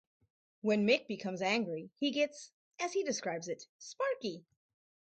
When Mick becomes angry, he gets, as he describes it, sparky.